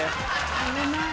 危ない。